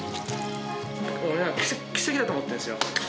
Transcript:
奇跡だと思ってるんですよ。